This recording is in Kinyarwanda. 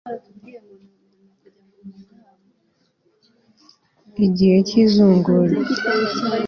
igihe cy'izungura